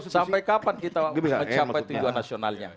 sampai kapan kita mencapai tujuan nasionalnya